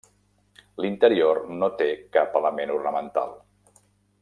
L'interior no té cap element ornamental.